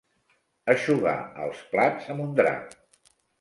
Eixugar els plats amb un drap.